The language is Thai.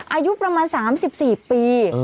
อายุประมาณ๓๔ปี